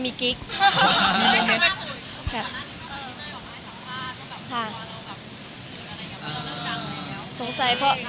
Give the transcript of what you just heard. มีปิดฟงปิดไฟแล้วถือเค้กขึ้นมา